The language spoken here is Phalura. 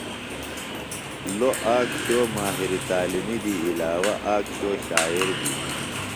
لوۡ آک شو ماہر تعلیم دی علاوہ آک شو شاعر بیۡ۔